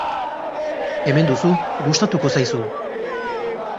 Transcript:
Hemen duzu, gustatuko zaizu!